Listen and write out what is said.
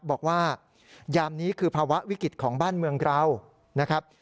บอกว่ายามนี้คือภาวะวิกฤตของบ้านเมืองเรานะครับ